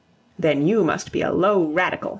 "Then you must be a low Radical!"